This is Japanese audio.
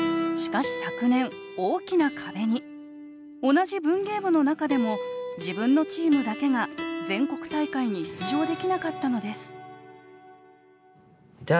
同じ文芸部の中でも自分のチームだけが全国大会に出場できなかったのですじゃあ